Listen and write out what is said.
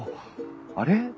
あれ？